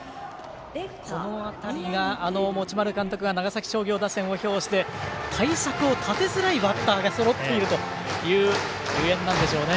この辺りが持丸監督が長崎商業打線を評して対策を立てづらいバッターがそろっているというゆえんなんでしょうね。